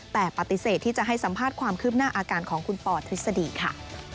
แต่ปฏิเสธที่จะให้สัมภาษณ์ความคืบหน้าอาการของคุณปอทฤษฎีค่ะ